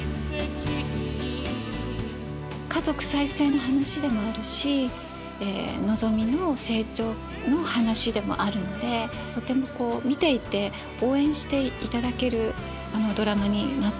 家族再生の話でもあるしのぞみの成長の話でもあるのでとてもこう見ていて応援していただけるドラマになってると思います。